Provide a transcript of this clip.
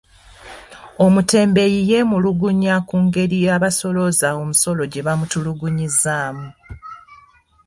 Omutembeeyi yeemulugunya ku ngeri abasoolooza omusolo gye bamutulugunyaamu.